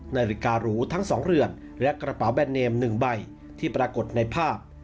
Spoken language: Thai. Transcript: นาฬิการูทั้ง๒เหลือนและกระเป๋าแบรนเนม๑ใบที่ปรากฏในภาพ